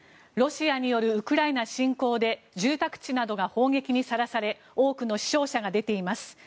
ロシアによるウクライナ侵攻で住宅地などが砲撃にさらされ多くの死傷者が出ています。